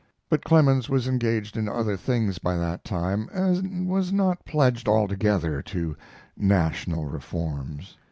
But Clemens was engaged in other things by that time, and was not pledged altogether to national reforms.